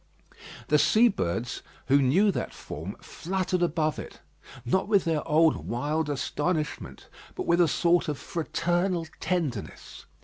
The sea birds, who knew that form, fluttered above it; not with their old wild astonishment, but with a sort of fraternal tenderness.